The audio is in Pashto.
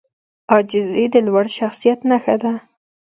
عاجزي د لوړ شخصیت نښه ده.